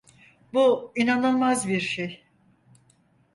Bu inanılmaz bir şey!